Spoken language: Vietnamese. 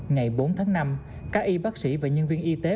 ngày bốn tháng năm các y bác sĩ và nhân viên y tế